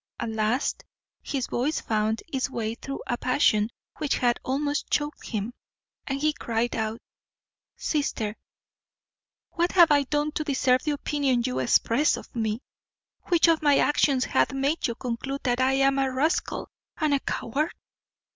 At last his voice found its way through a passion which had almost choaked him, and he cried out, "Sister, what have I done to deserve the opinion you express of me? which of my actions hath made you conclude that I am a rascal and a coward?